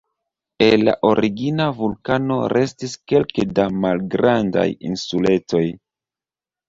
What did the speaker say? El la origina vulkano restis kelke da malgrandaj insuletoj.